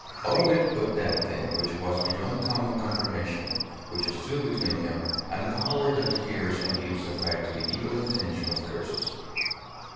All of it but that thing which was beyond common comprehension; which stood between him and the power that hears and gives effect to the evil intention of curses.